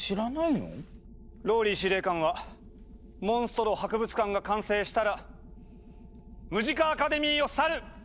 ＲＯＬＬＹ司令官はモンストロ博物館が完成したらムジカ・アカデミーを去る！